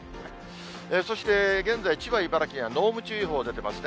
そして現在、千葉、茨城には濃霧注意報が出ていますね。